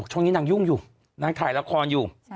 ช่วงนี้นางยุ่งอยู่นางถ่ายละครอยู่